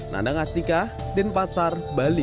nandang asika denpasar bali